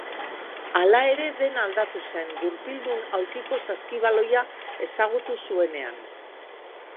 Hala ere, dena aldatu zen gurpildun aulkiko saskibaloia ezagutu zuenean.